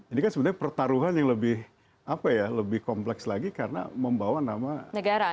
ini kan sebenarnya pertaruhan yang lebih kompleks lagi karena membawa nama negara